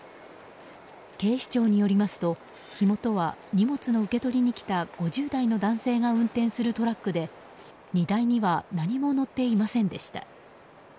警視庁によりますと、火元は荷物の受け取りに来た５０代の男性が運転するトラックで荷台には何も載っていませんでした。